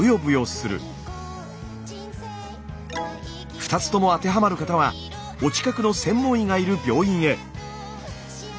２つとも当てはまる方はお近くの専門医がいる病院へ。